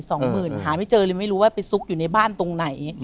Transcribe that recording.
สองหมื่นหาไม่เจอเลยไม่รู้ว่าไปซุกอยู่ในบ้านตรงไหน